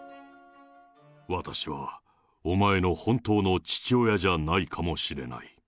私はお前の本当の父親じゃないかもしれない。